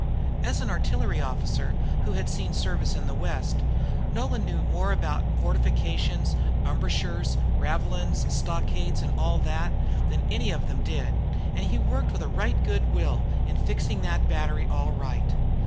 [Note 9] As an artillery officer, who had seen service in the West, Nolan knew more about fortifications, embrasures, ravelins, stockades, and all that, than any of them did; and he worked with a right good will in fixing that battery all right.